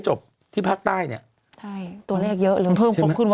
จำนวนได้ไม่เกิน๕๐๐คนนะคะ